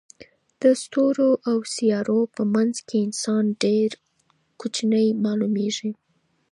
د ستورو او سیارو په منځ کې انسان ډېر کوچنی معلومېږي.